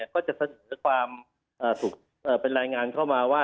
ก็จะเสนอความเป็นรายงานเข้ามาว่า